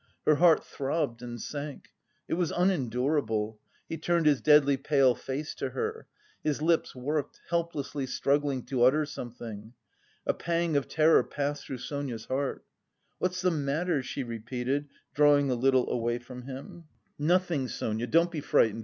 Her heart throbbed and sank. It was unendurable; he turned his deadly pale face to her. His lips worked, helplessly struggling to utter something. A pang of terror passed through Sonia's heart. "What's the matter?" she repeated, drawing a little away from him. "Nothing, Sonia, don't be frightened....